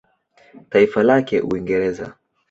Taifa lake Uingereza.